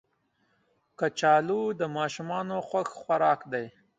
کچالو د ماشومانو خوښ خوراک دی